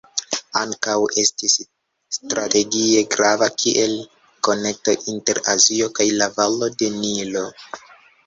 Ankaŭ estis strategie grava kiel konekto inter Azio kaj la valo de Nilo.